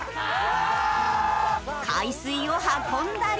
海水を運んだり。